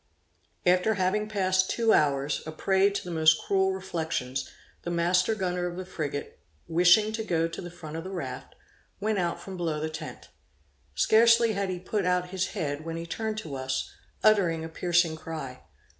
After having passed two hours, a prey to the most cruel reflections, the master gunner of the frigate, wishing to go to the front of the raft, went out from below the tent. Scarcely had he put out his head, when he turned to us, uttering a piercing cry.